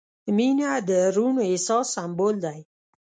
• مینه د روڼ احساس سمبول دی.